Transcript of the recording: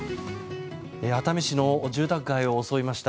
熱海市の住宅街を襲いました